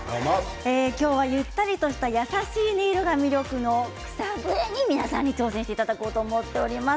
今日はゆったりとした優しい音色が魅力の草笛に挑戦していただこうと思っています。